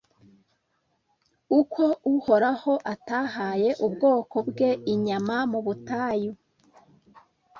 uko Uhoraho atahaye ubwoko bwe inyama mu butayu